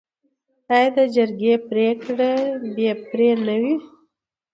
آیا د جرګې پریکړه بې پرې نه وي؟